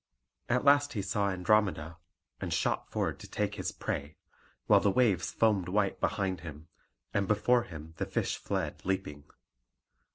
At last he saw Andromeda, and shot forward to take his prey, while the waves foamed white behind him, and before him the fish fled leaping.